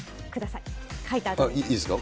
いいですか？